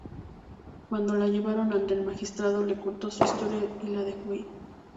Cuando la llevaron ante el magistrado, le contó su historia y la dejó ir.